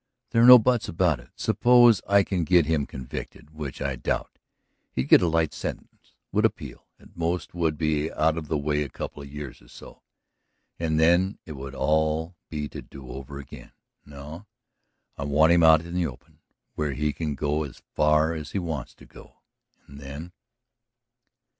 "There are no buts about it. Suppose I can get him convicted, which I doubt; he'd get a light sentence, would appeal, at most would be out of the way a couple of years or so. And then it would all be to do over again. No; I want him out in the open, where he can go as far as he wants to go. And then